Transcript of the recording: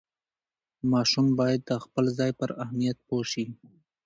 ماشوم باید د خپل ځای پر اهمیت پوه شي.